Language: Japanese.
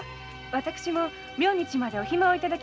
私も明日までお暇をいただきました。